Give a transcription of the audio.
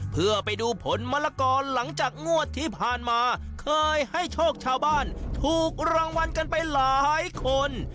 เพื่อไปดูผลมะละกอหลังจากงวดที่ผ่านมาเคยให้โชคชาวบ้านถูกรางวัลกันไปหลายคน